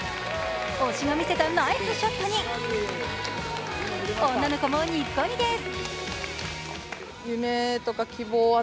推しが見せたナイスショットに女の子もニッコリです。